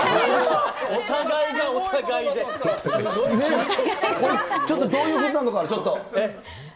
お互いがお互いで、ちょっとどういうことなのか、改めてご説明を。